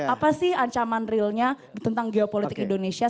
apa sih ancaman realnya tentang geopolitik indonesia